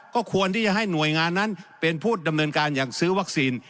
ก็ควรที่จะให้หน่วยงานนั้นเป็นผู้ดำเนินการอย่างซื้อวัคซีน